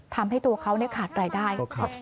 ทำให้ตัวเขาขาดรายได้